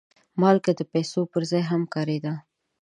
پخوا وخت کې مالګه د پیسو پر ځای هم کارېده.